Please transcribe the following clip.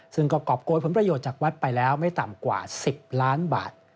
ซึ่งก็กรอบโกยผลประโยชน์จากวัดไปแล้วไม่ต่ำกว่า๑๐ล้านบาท